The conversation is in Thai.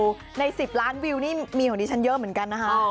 ใน๑๐ล้านวิวนี่มีของดิฉันเยอะเหมือนกันนะคะ